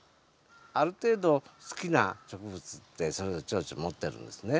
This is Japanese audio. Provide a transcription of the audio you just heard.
ある程度好きな植物ってそれぞれチョウチョ持ってるんですね。